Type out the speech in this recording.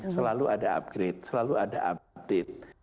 selalu ada upgrade selalu ada update